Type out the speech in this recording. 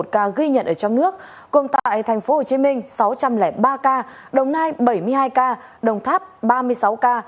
tám trăm linh một ca ghi nhận ở trong nước cùng tại tp hcm sáu trăm linh ba ca đồng nai bảy mươi hai ca đồng tháp ba mươi sáu ca